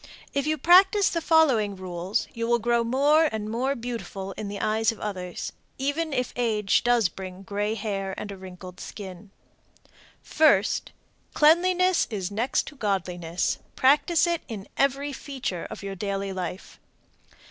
If you will practice the following rules you will grow more and more beautiful in the eyes of others, even if age does bring gray hair and a wrinkled skin: First. Cleanliness is next to godliness. Practice it in every feature of your daily life.